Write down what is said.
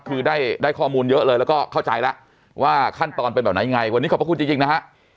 คือได้ข้อมูลเยอะเลยแล้วก็เข้าใจแล้วว่าขั้นตอนเป็นแบบไหนยังไงวันนี้ขอบพระคุณจริงนะฮะ